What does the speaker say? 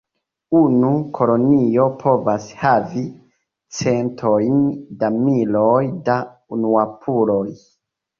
Unu kolonio povas havi centojn da miloj da unuopuloj.